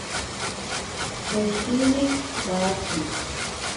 Koshiri kisakiri.